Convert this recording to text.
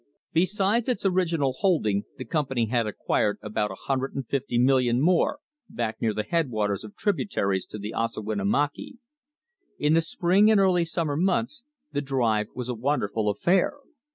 Besides its original holding, the company had acquired about a hundred and fifty million more, back near the headwaters of tributaries to the Ossawinamakee. In the spring and early summer months, the drive was a wonderful affair.